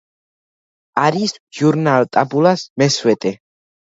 არის ჟურნალ ტაბულას მესვეტე.